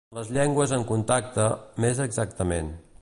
Les llengües en contacte, més exactament.